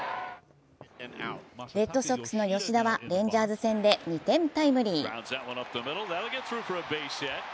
レッドソックスの吉田はレンジャーズ戦で２点タイムリー。